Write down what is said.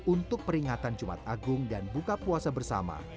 untuk peringatan jumat agung dan buka puasa bersama